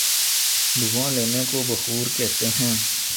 دھواں لینے کو بخور کہتے ہیں۔